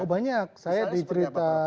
banyak saya dicerita